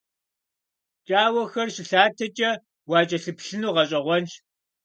ПкӀауэхэр щылъатэкӀэ уакӀэлъыплъыну гъэщӀэгъуэнщ.